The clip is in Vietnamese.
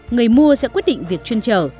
người mua sẽ quyết định việc chuyên trở